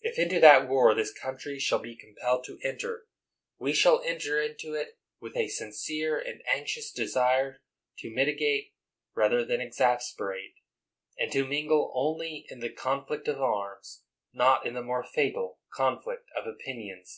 If into that war this country shall be compelled to enter, we shall enter into it with a sincere and anxious desire to mitigate rather than exasperate — and to mingle only in the con flict of arms, not in the more fatal conflict of opinions.